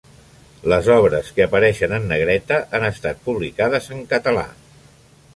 Les obres que apareixen en negreta han estat publicades en català.